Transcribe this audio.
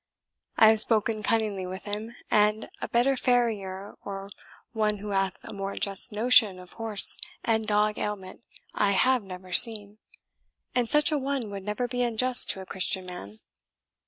I have spoken cunningly with him, and a better farrier or one who hath a more just notion of horse and dog ailment I have never seen; and such a one would never be unjust to a Christian man."